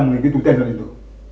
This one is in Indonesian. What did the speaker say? mengimpin tutel itu